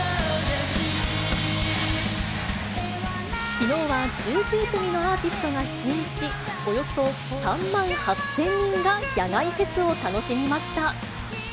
きのうは１９組のアーティストが出演し、およそ３万８０００人が野外フェスを楽しみました。